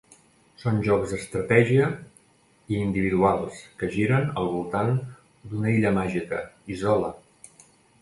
Són jocs d'estratègia i individuals que giren al voltant d'una illa màgica, Isola.